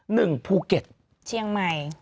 หนึ่งภูเก็ตเชียงใหม่